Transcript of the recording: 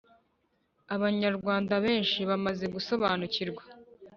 abanyarwanda benshi bamaze gusobanukirwa